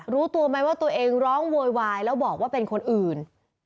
รู้ตัวไหมว่าตัวเองร้องโวยวายแล้วบอกว่าเป็นคนอื่น